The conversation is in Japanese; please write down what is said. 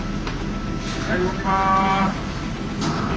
はい動きます。